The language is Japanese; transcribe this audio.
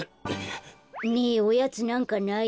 ねえおやつなんかない？